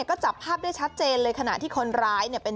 โอ้โห